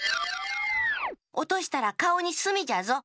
おとしたらかおにすみじゃぞ。